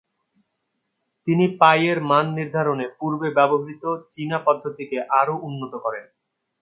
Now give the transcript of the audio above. তিনি পাই এর মান নির্ধারণে পূর্বে ব্যবহৃত চীনা পদ্ধতিকে আরও উন্নত করেন।